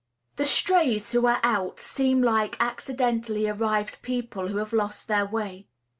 The strays who are out seem like accidentally arrived people, who have lost their way.